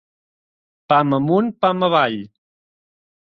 Pam amunt, pam avall...